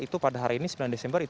itu pada hari ini sembilan desember